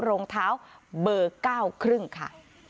รองเท้าเบอร์๙๕ค่ะ